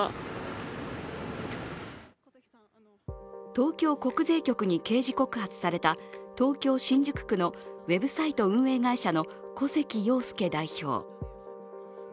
東京国税局に刑事告発された東京・新宿区のウェブサイト運営会社の古関陽介代表。